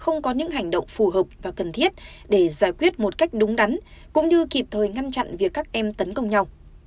không có những hành động phù hợp và cần thiết để giải quyết một cách đúng đắn cũng như kịp thời ngăn chặn việc các em tấn công nhau